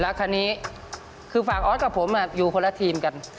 และคันนี้คือฝากอ๊อสกับผมอยู่คนละทีมกัน